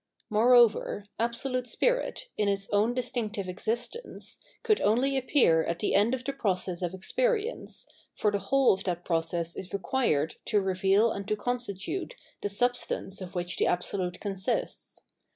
Moreover, Absolute Spirit, in its own distinctive existence, could only appear at the end of the process of experience, for the whole of that process is required to reveal and to constitute the substance of which the Absolute consists.